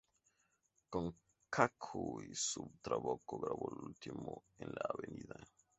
Con Kako y su trabuco grabó "Lo último en la avenida".